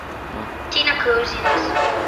Tina Cousins